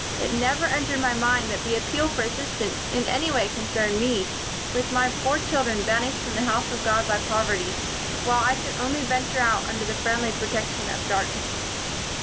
It never entered my mind that the appeal for assistance in any way concerned me, with my poor children banished from the house of God by poverty, while I could only venture out under the friendly protection of darkness.